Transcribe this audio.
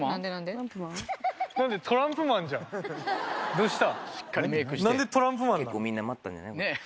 どうした？